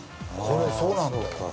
これそうなんだよ。